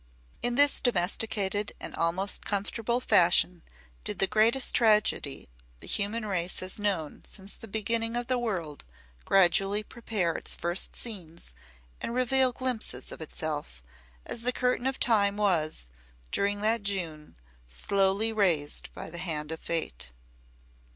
In this domesticated and almost comfortable fashion did the greatest tragedy the human race has known since the beginning of the world gradually prepare its first scenes and reveal glimpses of itself, as the curtain of Time was, during that June, slowly raised by the hand of Fate.